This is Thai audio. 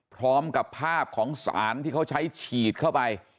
พร้อมกับภาพของสารที่เขาใช้ฉีดเข้าไป